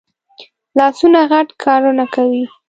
لاسونه غټ کارونه کوي